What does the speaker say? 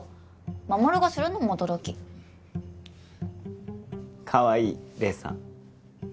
衛がスるのも驚きかわいい黎さん